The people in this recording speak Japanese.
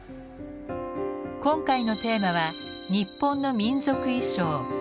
今回のテーマは日本の民族衣装「着物」。